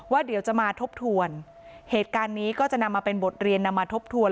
เดี๋ยวจะมาทบทวนเหตุการณ์นี้ก็จะนำมาเป็นบทเรียนนำมาทบทวน